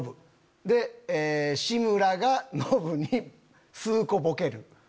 で「志村がノブに数個ボケる」。